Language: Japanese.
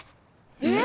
えっ！？